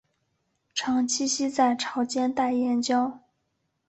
常栖息在潮间带岩礁。